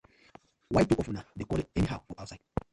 Why two of una dey quarel anyhow for ouside.